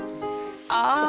ああ。